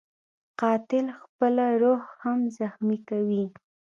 قاتل خپله روح هم زخمي کوي